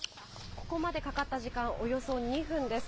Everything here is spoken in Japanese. ここまでかかった時間、およそ２分です。